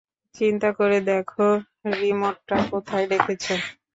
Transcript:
চিন্তা করে দেখো, রিমোটটা কোথায় রেখেছ?